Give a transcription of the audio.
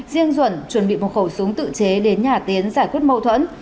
riêng duẩn chuẩn bị một khẩu súng tự chế đến nhà tiến giải quyết mâu thuẫn